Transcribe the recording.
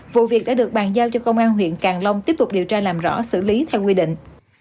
vụ việc đã được bàn giao cho công an huyện càng long tiếp tục điều tra làm rõ xử lý theo quy định